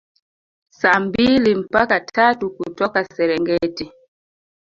Saa mbili mpaka tatu kutoka Serengeti